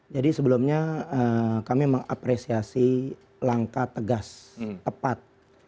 jadi sebelumnya kami mengapresiasi langkah tegas tepat